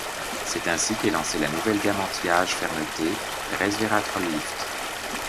C’est ainsi qu’est lancée la nouvelle gamme anti-âge fermeté Resvératrol Lift.